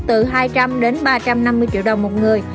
từ hai trăm linh đến ba trăm năm mươi triệu đồng một người